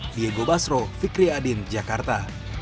diego basro fikri adin jakarta